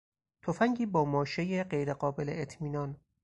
تفنگی با ماشهی غیر قابل اطمینان